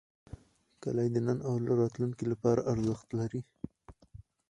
کلي د نن او راتلونکي لپاره ارزښت لري.